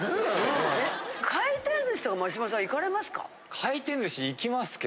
回転寿司とか眞島さん行かれますか？